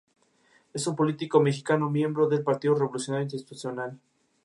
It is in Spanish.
Es un político mexicano, miembro del Partido Revolucionario Institucional.